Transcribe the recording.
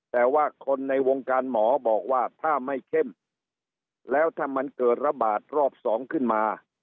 แต่ว่าคนในวงการหมอบอกว่าถ้าไม่เข้มแล้วถ้ามันเกิดระบาดรอบสองขึ้นมา